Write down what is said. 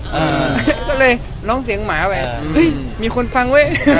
ก็เลยร้องเสียงหมาไปเฮ้ยมีคนฟังเว้ย